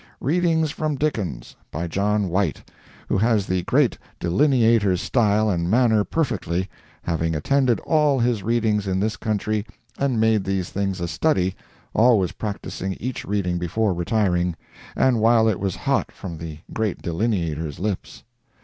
"Readings from Dickens." By John White, who has the great delineator's style and manner perfectly, having attended all his readings in this country and made these things a study, always practising each reading before retiring, and while it was hot from the great delineator's lips.